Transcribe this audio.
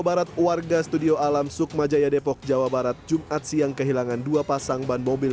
barat warga studio alam sukma jaya depok jawa barat jumat siang kehilangan dua pasang ban mobil